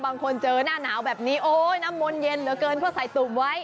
บางคนเจอหน้าหนาวแบบนี้โอ๊ยน้ำมนต์เย็นเหลือเกินเขาใส่ตุ่มไว้